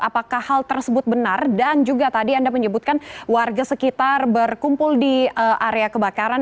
apakah hal tersebut benar dan juga tadi anda menyebutkan warga sekitar berkumpul di area kebakaran